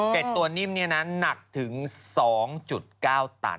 ตัวนิ่มนี่นะหนักถึง๒๙ตัน